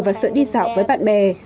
và sợ đi dạo với bạn bè